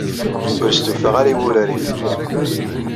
Ur stufaɣ ara i wurar-nnem.